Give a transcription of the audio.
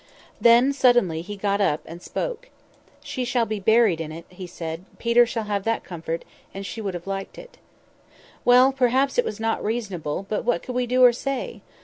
Then, suddenly, he got up, and spoke: 'She shall be buried in it,' he said; 'Peter shall have that comfort; and she would have liked it.' "Well, perhaps it was not reasonable, but what could we do or say?